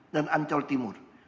dan ancol timur